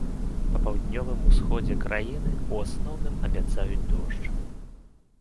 Па паўднёвым усходзе краіны ў асноўным абяцаюць дождж.